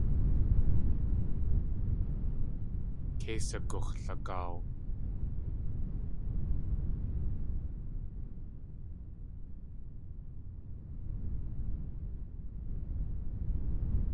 Kei sagux̲lagaaw.